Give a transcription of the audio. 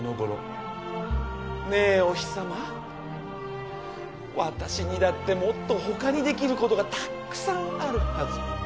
ねえお日様私にだってもっと他にできる事がたくさんあるはず。